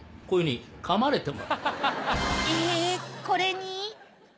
これに？